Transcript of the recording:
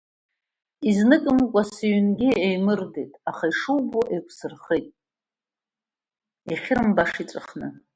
Изнымкәа сыҩнгьы еимырдеит, аха, ишубо, еиқәсырхеит, иахьырымбаша иҵәахны.